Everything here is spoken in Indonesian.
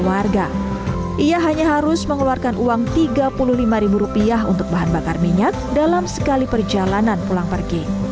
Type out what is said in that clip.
warga ia hanya harus mengeluarkan uang tiga puluh lima untuk bahan bakar minyak dalam sekali perjalanan pulang pergi